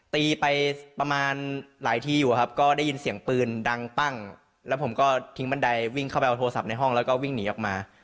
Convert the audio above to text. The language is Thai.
ตีไปประมาณหลายทีอยู่ครับก็ได้ยินเสียงปืนดังปั้งแล้วผมก็ทิ้งบันไดวิ่งเข้าไปเอาโทรศัพท์ในห้องแล้วก็วิ่งหนีออกมา